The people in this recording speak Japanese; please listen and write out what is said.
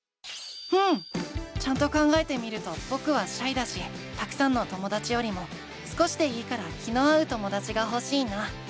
うん！ちゃんと考えてみるとぼくはシャイだしたくさんのともだちよりも少しでいいから気の合うともだちがほしいな。